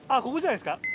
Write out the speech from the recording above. ここじゃないですか。